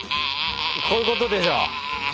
こういうことでしょ？